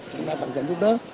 chúng ta tập trận giúp đỡ